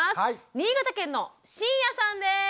新潟県の椎谷さんです。